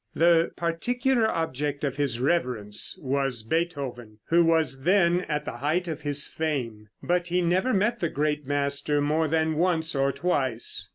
The particular object of his reverence was Beethoven, who was then at the height of his fame, but he never met the great master more than once or twice.